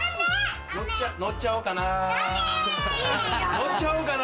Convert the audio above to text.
乗っちゃおうかな？